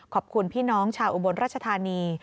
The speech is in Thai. ขอบคุณพี่น้องชาวอุบลรัชธานี